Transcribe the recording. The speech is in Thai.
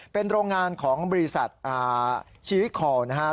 เป็นโรงงานของบริษัทชีริคอลนะครับ